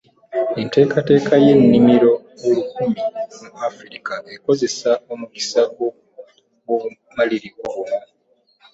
Enteekateeka y’ennimiro olukumi mu Afirika ekozesa omukisa gw’obumanyirivu buno.